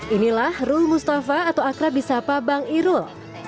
inilah rul mustafa atau akrabisapa bang irul